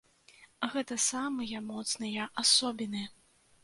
Гэта самыя моцныя асобіны!